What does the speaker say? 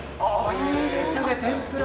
いいですね、天ぷら。